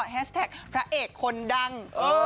แท็กพระเอกคนดัง